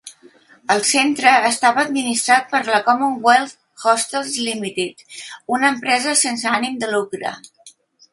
El centre estava administrat per Commonwealth Hostels Limited, una empresa sense ànim de lucre.